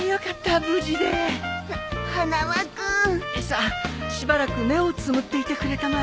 さあしばらく目をつむっていてくれたまえ。